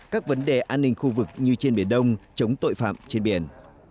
các vấn đề an ninh khu vực như trên biển đông chống tội phạm trên biển